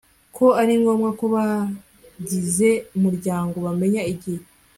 ko ari ngombwa ko abagize umuryango bamenya igihe